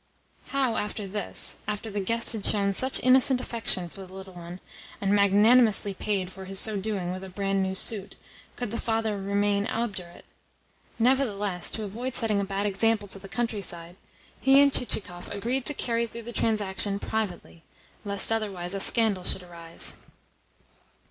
How, after this after the guest had shown such innocent affection for the little one, and magnanimously paid for his so doing with a brand new suit could the father remain obdurate? Nevertheless, to avoid setting a bad example to the countryside, he and Chichikov agreed to carry through the transaction PRIVATELY, lest, otherwise, a scandal should arise.